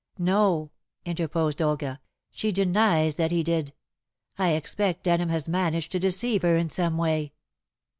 "No," interposed Olga; "she denies that he did. I expect Denham has managed to deceive her in some way."